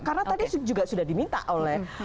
karena tadi juga sudah diminta oleh